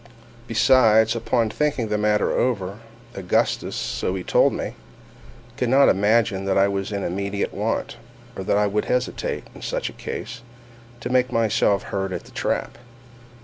Besides, upon thinking the matter over, Augustus, so he told me, could not imagine that I was in immediate want, or that I would hesitate, in such case, to make myself heard at the trap.